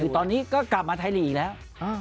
ตอนนี้ก็กลับมาไทยลีกแล้ว